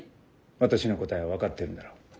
私の答えは分かってるんだろう？